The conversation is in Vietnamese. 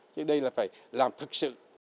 thế đây là phải làm thực sự